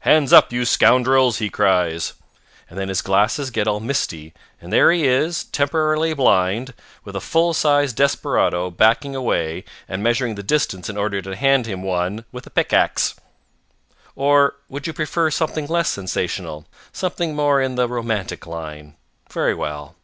"Hands up, you scoundrels," he cries. And then his glasses get all misty, and there he is, temporarily blind, with a full size desperado backing away and measuring the distance in order to hand him one with a pickaxe. Or would you prefer something less sensational, something more in the romantic line? Very well.